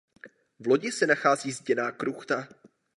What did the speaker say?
V lodi se nachází zděná kruchta.